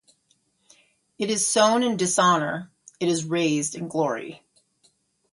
It is sown in dishonour, it is raised in glory.